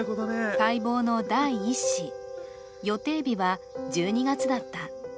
待望の第１子、予定日は１２月だった。